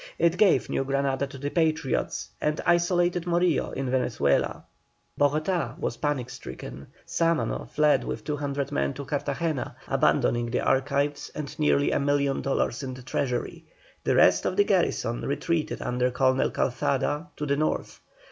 It gave New Granada to the Patriots, and isolated Morillo in Venezuela. Bogotá was panic stricken. Sámano fled with 200 men to Cartagena, abandoning the archives and nearly a million dollars in the treasury. The rest of the garrison retreated under Colonel Calzada to the North.